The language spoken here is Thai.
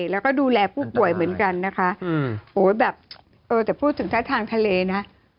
แล้วก็ดูแลผู้ป่วยเหมือนกันนะคะโอ้ยแบบเออแต่พูดถึงท่าทางทะเลนะ